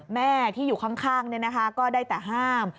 แม่ที่อยู่ข้างก็ได้แต่ห้าม